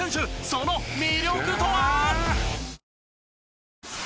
その魅力とは！？